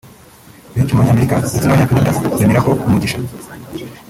Benshi mu banyamerika ndetse n’abanya Canada bemera ko umugisha